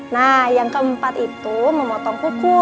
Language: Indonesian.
nah yang keempat itu memotong kuku